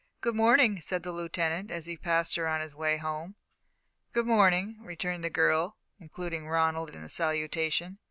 "Good morning," said the Lieutenant, as he passed her on his way home. "Good morning," returned the girl, including Ronald in the salutation.